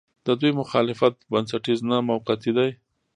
د دوی مخالفت بنسټیز نه، موقعتي دی.